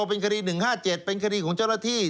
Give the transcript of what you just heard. เป็นคดี๑๕๗เป็นคดีของเจ้าหน้าที่